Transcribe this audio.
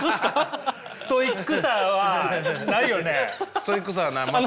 ストイックさはないよね？